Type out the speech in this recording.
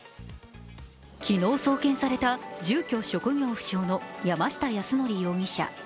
昨日送検された住所職業不詳の山下泰範容疑者。